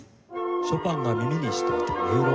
ショパンが耳にしていた音色。